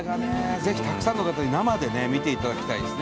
ぜひたくさんの方に生で見ていただきたいですね。